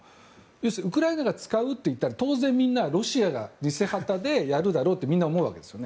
要するにウクライナが使うと言ったら当然、ロシアが偽旗でやるだろうとみんな思うわけですよ。